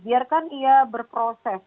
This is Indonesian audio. biarkan ia berproses